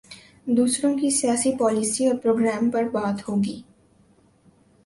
دوسروں کی سیاسی پالیسی اور پروگرام پر بات ہو گی۔